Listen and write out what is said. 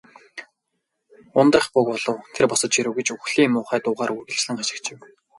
"Ундрах буг болов. Тэр босож ирэв" гэж үхлийн муухай дуугаар үргэлжлэн хашхичив.